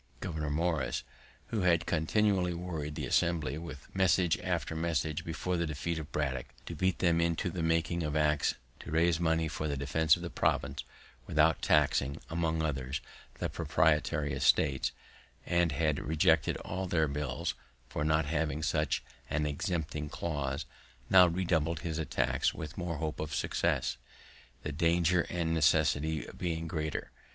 Governor Morris, who had continually worried the Assembly with message after message before the defeat of Braddock, to beat them into the making of acts to raise money for the defense of the province, without taxing, among others, the proprietary estates, and had rejected all their bills for not having such an exempting clause, now redoubled his attacks with more hope of success, the danger and necessity being greater.